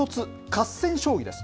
合戦将棋です。